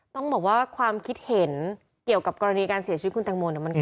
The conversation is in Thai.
ต้องบอกว่าความคิดเห็นเกี่ยวกับกรณีการเสียชีวิตคุณต่างบนมันกว้างมาก